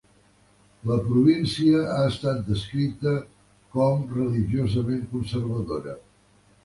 La província ha estat descrita com "religiosament conservadora".